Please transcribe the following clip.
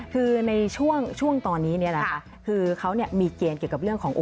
คือในช่วงตอนนี้เนี่ยนะคะคือเขามีเกณฑ์เกี่ยวกับเรื่องของ